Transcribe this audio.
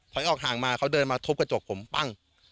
ออกห่างมาเขาเดินมาทุบกระจกผมปั้ง